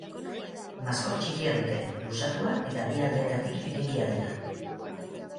Maskor txikia dute, luzatua eta bi aldeetatik irekia dena.